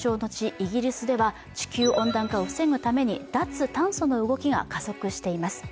イギリスでは、地球温暖化を防ぐために脱炭素の動きが加速しています。